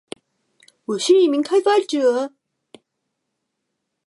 我是一名开发者